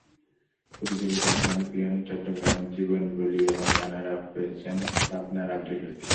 প্রতিযোগিতায় চ্যাম্পিয়ন চট্টগ্রামের জীবন বলী এবং রানারআপ হয়েছেন পাবনার আবদুল লতিফ।